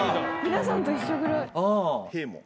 皆さんと一緒ぐらい。